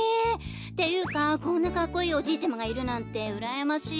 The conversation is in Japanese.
ていうかこんなかっこいいおじいちゃまがいるなんてうらやましい。